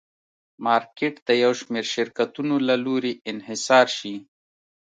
مارکېټ د یو شمېر شرکتونو له لوري انحصار شي.